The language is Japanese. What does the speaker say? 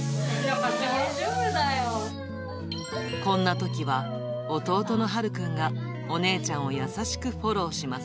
大丈夫だこんなときは、弟のはるくんがお姉ちゃんを優しくフォローします。